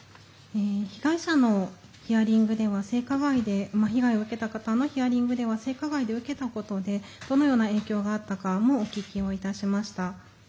被害者のヒアリングでは性加害で被害を受けた方のヒアリングでは性加害を受けたことでどのような影響があったかをお聞きしました。